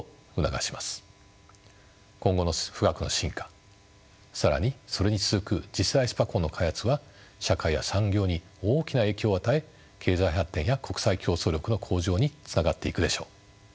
今後の富岳の進化更にそれに続く次世代スパコンの開発は社会や産業に大きな影響を与え経済発展や国際競争力の向上につながっていくでしょう。